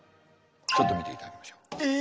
ちょっと見ていただきましょう。